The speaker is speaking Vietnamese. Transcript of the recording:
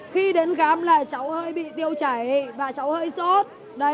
khi đến khám là cháu hơi bị tiêu chảy và cháu hơi sốt